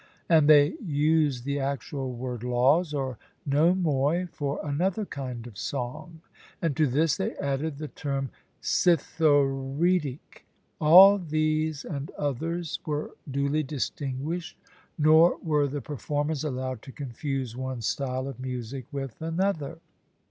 And they used the actual word 'laws,' or nomoi, for another kind of song; and to this they added the term 'citharoedic.' All these and others were duly distinguished, nor were the performers allowed to confuse one style of music with another.